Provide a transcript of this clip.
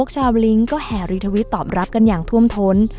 ชาวลิงก์ก็แห่รีทวิตตอบรับกันอย่างท่วมท้น